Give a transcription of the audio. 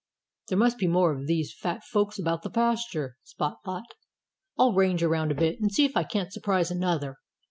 "There must be more of these fat folks about the pasture," Spot thought. "I'll range around a bit and see if I can't surprise another."